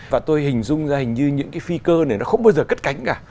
và tôi hình dung ra hình như những cái phi cơ này nó không bao giờ cất cánh cả